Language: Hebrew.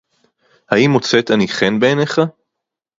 האם מוצאת אני חן בעיניך?